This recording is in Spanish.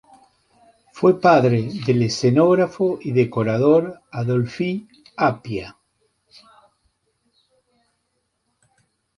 Fue padre del escenógrafo y decorador Adolphe Appia.